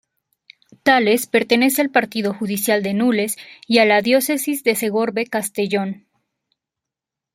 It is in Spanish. Tales pertenece al partido judicial de Nules y a la Diócesis de Segorbe-Castellón.